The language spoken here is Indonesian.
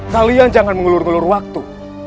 kalian jangan mengelur ngelur waktu